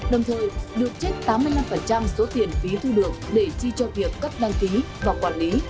đồng thời được trích tám mươi năm số tiền phí thu được để chi cho việc cấp đăng ký và quản lý